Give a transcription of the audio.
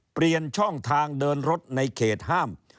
เปลี่ยนช่องทางเดินรถในเขตห้าม